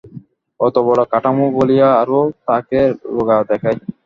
অতবড় কাঠামো বলিয়া আরও তাকে রোগা দেখায়।